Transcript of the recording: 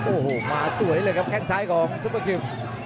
โอ้โหมาสวยเลยครับแข้งซ้ายของซุปเปอร์คิม